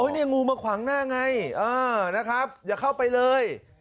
นี่งูมาขวางหน้าไงนะครับอย่าเข้าไปเลย